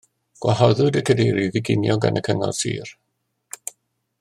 Gwahoddwyd y cadeirydd i ginio gan y Cyngor Sir